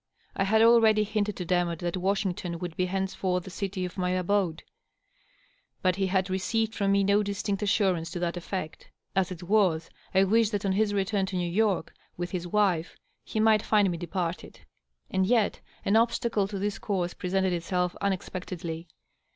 I had already hinted to Demotte that Washington would be henceforth the city of my abode, but he had received from me no distinct assurance to that effect. As it was, I wished that on his return to New York with his wife he might find me departed. And yet an obstacle to this course presented itself unexpectedly.